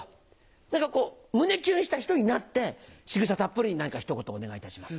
何か胸キュンした人になってしぐさたっぷりに何かひと言お願いいたします。